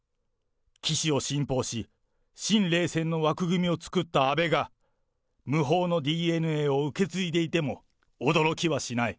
岸を信奉し、新冷戦の枠組みを作った安倍が、無法のＤＮＡを受け継いでいても驚きはしない。